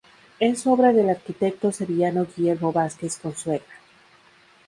Es obra del arquitecto sevillano Guillermo Vázquez Consuegra.